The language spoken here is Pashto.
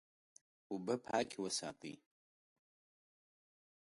اوبه پاکې وساتئ.